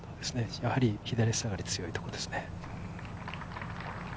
やはり左下がりが強いところですね。